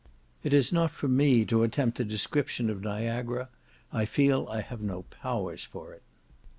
It is not for me to attempt a description of Niagara; I feel I have no powers for it.